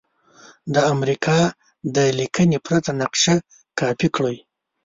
د امریکا د لیکنې پرته نقشه کاپې کړئ.